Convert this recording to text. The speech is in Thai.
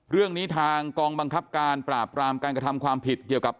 เรื่องนี้ทางกองบังคับการปราบรามการกระทำความผิดเกี่ยวกับ